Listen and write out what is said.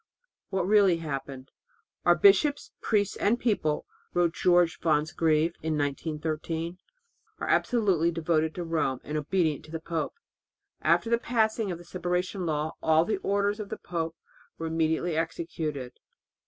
What really happened? "Our bishops, priests, and people," wrote George Fonsegrive in 1913, "are absolutely devoted to Rome and obedient to the pope. After the passing of the Separation Law all the orders of the pope were immediately executed.